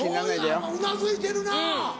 あっうなずいてるな。